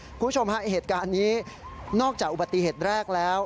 คุณผู้ชมฮะเหตุการณ์นี้นอกจากอุบัติเหตุแรกแล้ว